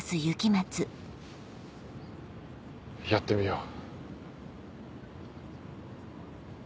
やってみよう。